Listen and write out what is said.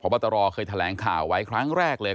พระบัตรอเคยแข็งแข่งข่าวไว้ครั้งแรกเลย